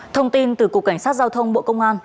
thông tin từ cục cảnh sát giao thông bộ công an